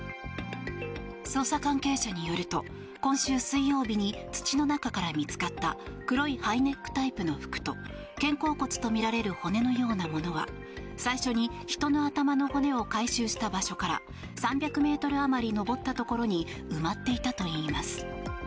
捜査関係者によると今週水曜日に土の中から見つかった黒いハイネックタイプの服と肩甲骨とみられる骨のようなものは最初に人の頭の骨を回収した場所から３００ｍあまり上ったところに埋まっていたといいます。